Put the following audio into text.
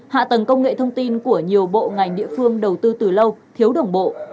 hạ tầng công nghệ thông tin của nhiều bộ ngành địa phương đầu tư từ lâu thiếu đồng bộ